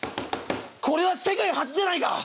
これは世界初じゃないか？